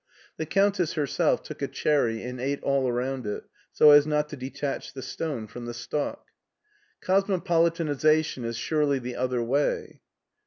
The Countess herself took a cherry and ate all around it so as not to detach the stone from the stalk. " Cosmopolitanization is surely the other way."